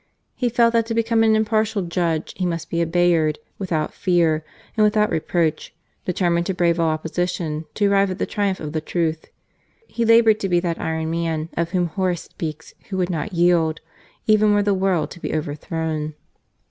He felt that to become a really impartial judge, he must be a Bayard without fear and without reproach, determined to brave all opposition to arrive at the triumph of the truth. He laboured to be that iron man of whom Horace speaks who would not yield even were the world to be overthrown.